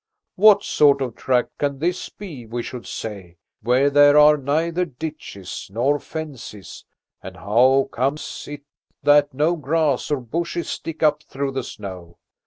What sort of tract can this be, we should say, where there are neither ditches nor fences, and how comes it that no grass or bushes stick up through the snow?